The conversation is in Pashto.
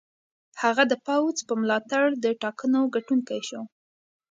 هغه د پوځ په ملاتړ د ټاکنو ګټونکی شو.